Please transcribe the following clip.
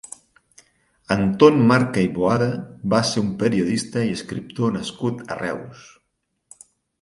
Anton Marca i Boada va ser un periodista i escriptor nascut a Reus.